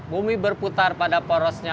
bumi berputar pada porosnya